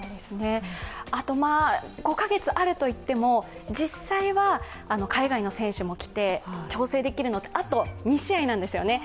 あと５カ月あるといっても、実際は海外の選手も来て、調整できるのはあと２試合なんですよね。